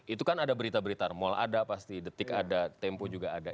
itu kan ada berita berita mall ada pasti detik ada tempo juga ada